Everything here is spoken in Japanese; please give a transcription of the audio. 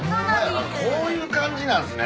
「こういう感じなんすね」